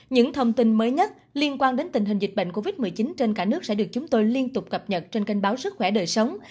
những thông tin mới nhất liên quan đến tình hình dịch bệnh covid một mươi chín trên cả nước sẽ được chúng tôi liên tục cập nhật trên kênh báo sức khỏe đời sống